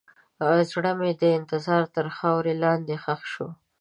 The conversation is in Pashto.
زړه مې د انتظار تر خاورو لاندې ښخ شو.